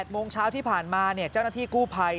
โมงเช้าที่ผ่านมาเจ้าหน้าที่กู้ภัย